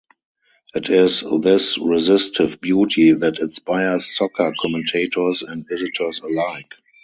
It is this resistive beauty that inspires soccer commentators and visitors alike.